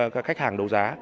các khách hàng đấu giá